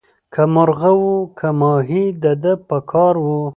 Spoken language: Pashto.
که مرغه وو که ماهی د ده په کار وو